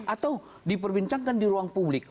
atau diperbincangkan di ruang publik